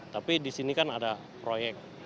tapi di sini kan ada proyek